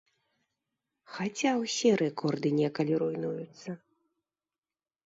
Хаця ўсе рэкорды некалі руйнуюцца.